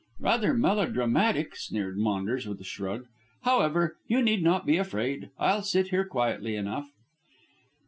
"Rather melodramatic," sneered Maunders with a shrug; "However, you need not be afraid. I'll sit here quietly enough."